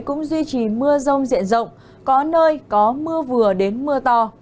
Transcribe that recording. cũng duy trì mưa rông diện rộng có nơi có mưa vừa đến mưa to